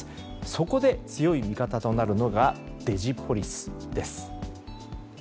そこで、強い味方となるのがデジポリスです。